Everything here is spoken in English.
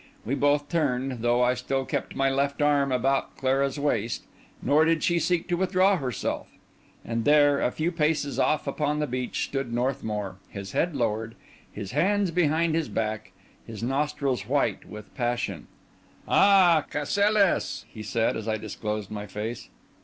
We both turned, though I still kept my left arm about Clara's waist; nor did she seek to withdraw herself; and there, a few paces off upon the beach, stood Northmour, his head lowered, his hands behind his back, his nostrils white with passion. "Ah! Cassilis!" he said, as I disclosed my face.